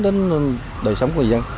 đến đời sống của dân